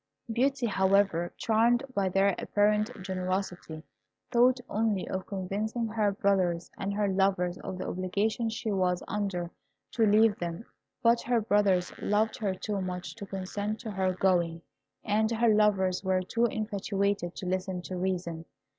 Beauty, however, charmed by their apparent generosity, thought only of convincing her brothers and her lovers of the obligation she was under to leave them; but her brothers loved her too much to consent to her going, and her lovers were too infatuated to listen to reason.